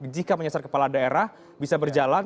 jika menyesar kepala daerah bisa berjalan